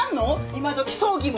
今どき葬儀もエコ。